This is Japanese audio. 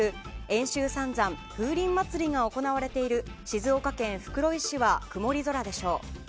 遠州三山風鈴まつりが行われている静岡県袋井市は曇り空でしょう。